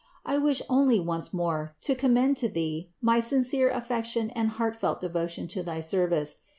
I wish only once more to com mend to Thee my sincere affection and heartfelt devo tion to thy service.